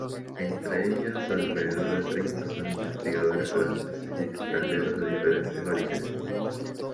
Entre ellas, alrededor de treinta son investigadores franceses y extranjeros de diferentes orígenes.